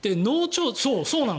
そうなの。